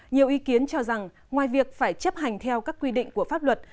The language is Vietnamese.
nhiều ý kiến cho rằng ngoài việc phải chấp hành theo các quy định của pháp luật